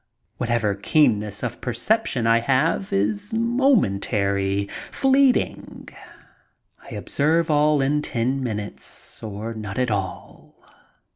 Whatever keenness of percep tion I have is momentary, fleeting. I observe all in ten minutes or not at all.